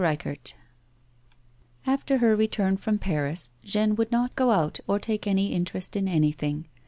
'240 XIV. After her return from Paris, Jeanne would not go out or take any interest in anything.